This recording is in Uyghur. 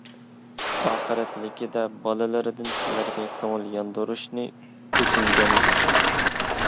ئاخىرەتلىكىدە بالىلىرىدىن سىلەرگە كۆڭۈل ياندۇرۇشنى ئۆتۈنگەنىكەن.